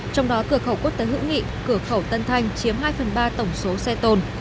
trong đó cửa khẩu quốc tế hữu nghị cửa khẩu tân thanh chiếm hai phần ba tổng số xe tồn